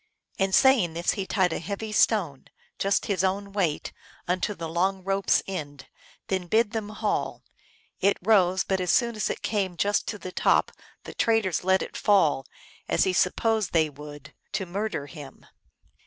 " And saying this, he tied a heavy stone, just his own weight, unto the long rope s end, then bid them haul. It rose, but as it came just to the top the traitors let it fall, as he sup posed they would, to murder him.